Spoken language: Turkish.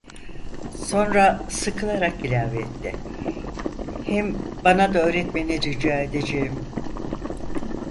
Sonra sıkılarak ilave etti: "Hem bana da öğretmeni rica edeceğim."